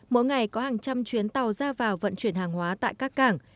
mỗi ngày có hàng trăm chuyến tàu ra vào vận chuyển hàng hóa tại các cảng